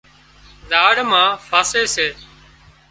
زاۯ مان پاسي سي